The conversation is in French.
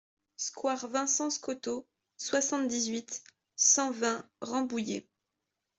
Square Vincent Scotto, soixante-dix-huit, cent vingt Rambouillet